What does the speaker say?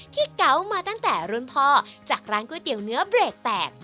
เก๋ามาตั้งแต่รุ่นพ่อจากร้านก๋วยเตี๋ยวเนื้อเบรกแตก